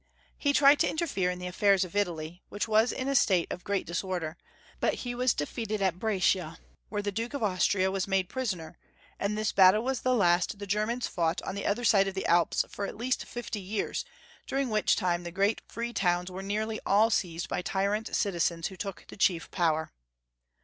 He tried to interfere in the affairs of Italy, which was in a state of great disorder, but he was defeated at Brescia, where the Duke of Austria was made prisoner, and this battle was the last the Germans fought on the other side of the Alps for at least fifty years, during which time the great free towns were nearly all seized by tyrant citizens who took the chief power.